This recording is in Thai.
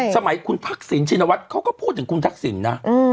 สมัยคุณทักษิณชินวัฒน์เขาก็พูดถึงคุณทักษิณนะ